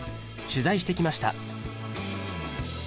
取材してきました